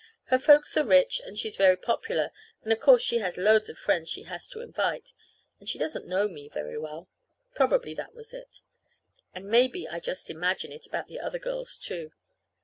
Her folks are rich, and she's very popular, and of course she has loads of friends she had to invite; and she doesn't know me very well. Probably that was it. And maybe I just imagine it about the other girls, too.